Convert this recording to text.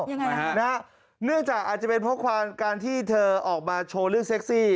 ยังไงฮะนะฮะเนื่องจากอาจจะเป็นเพราะความการที่เธอออกมาโชว์เรื่องเซ็กซี่